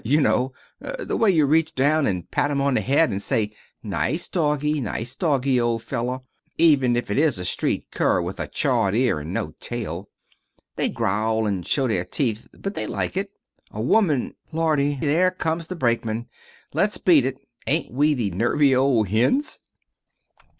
You know, the way you reach down, and pat 'm on the head, and say, 'Nice doggie, nice doggie, old fellow,' even if it is a street cur, with a chawed ear, and no tail. They growl and show their teeth, but they like it. A woman Lordy! there comes the brakeman. Let's beat it. Ain't we the nervy old hens!"